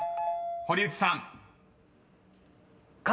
堀内さん］